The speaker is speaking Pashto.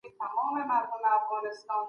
ګډ کار خوښي راولي.